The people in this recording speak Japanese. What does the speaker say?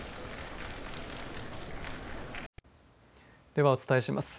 ではお伝えします。